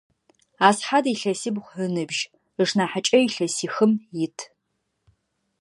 Асхьад илъэсибгъу ыныбжь, ышнахьыкӏэ илъэсихым ит.